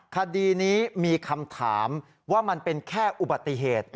คดีนี้มีคำถามว่ามันเป็นแค่อุบัติเหตุ